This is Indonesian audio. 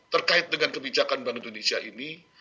terkait dengan kebijakan bank indonesia ini